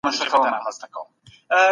موږ په پښتو ژبي خپل تاريخ لولو.